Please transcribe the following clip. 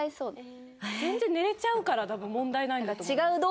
全然寝れちゃうから多分問題ないんだと思う。